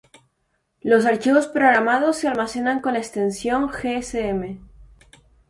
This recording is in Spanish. Los archivos programados se almacenan con la extensión gsm.